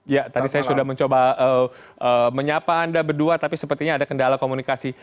ya tadi saya sudah mencoba menyapa anda berdua tapi sepertinya ada kendala komunikasi